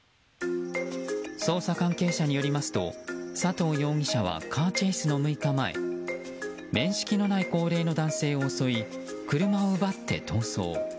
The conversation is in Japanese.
捜査関係者によりますと佐藤容疑者はカーチェイスの６日前面識のない高齢の男性を脅し車を奪って逃走。